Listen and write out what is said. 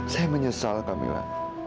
saya menyesal camilla